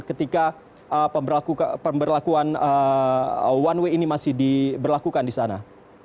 ketika pemberlakuan one way ini masih diberlakukan di sana